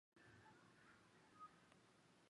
粗体表示冠军歌